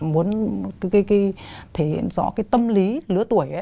muốn thể hiện rõ cái tâm lý lứa tuổi